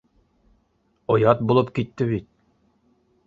Оят булып китте бит